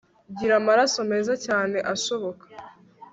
ngira amaraso meza cyane ashoboka